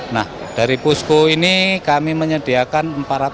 nah dari posko ini kami menyediakan empat